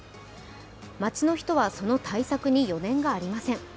街の人はその対策に余念がありません。